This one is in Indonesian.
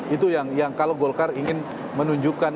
itu yang kalau golkar ingin menunjukkan